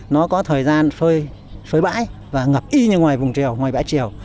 nó có thời gian phơi bãi và ngập y như ngoài vùng trèo ngoài bãi trèo